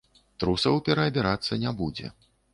Трусаў пераабірацца не будзе.